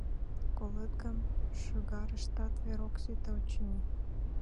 Колет гын, шӱгарыштат вер ок сите, очыни.